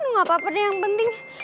ini gapapa deh yang penting